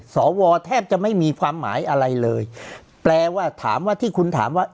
สวแทบจะไม่มีความหมายอะไรเลยแปลว่าถามว่าที่คุณถามว่า